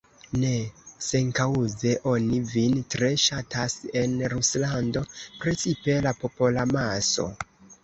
Ne senkaŭze oni vin tre ŝatas en Ruslando, precipe la popolamaso.